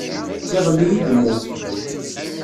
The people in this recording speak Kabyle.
Iḍelli i yemmut.